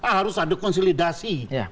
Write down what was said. harus ada konsilidasi